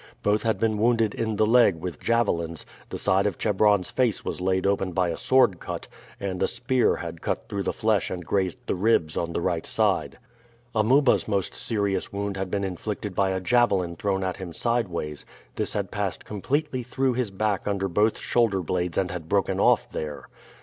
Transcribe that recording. Both had been wounded in the leg with javelins, the side of Chebron's face was laid open by a sword cut, and a spear had cut through the flesh and grazed the ribs on the right side. Amuba's most serious wound had been inflicted by a javelin thrown at him sideways. This had passed completely through his back under both shoulder blades and had broken off there.